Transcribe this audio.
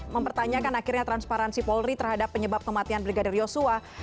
mempertanyakan akhirnya transparansi polri terhadap penyebab kematian brigadir yosua